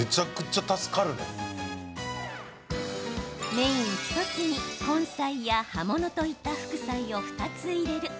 メイン１つに根菜や葉物といった副菜を２つ入れる。